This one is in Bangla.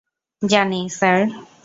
জানি, স্যার।